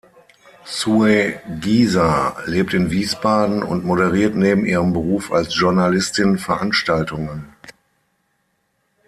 Sue Giesa lebt in Wiesbaden und moderiert neben ihrem Beruf als Journalistin Veranstaltungen.